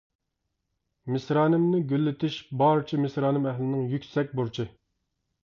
مىسرانىمنى گۈللىتىش بارچە مىسرانىم ئەھلىنىڭ يۈكسەك بۇرچى!